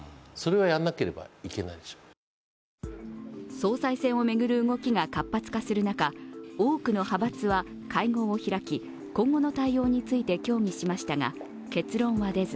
総裁選を巡る動きが活発化する中多くの派閥は会合を開き今後の対応について協議しましたが、結論は出ず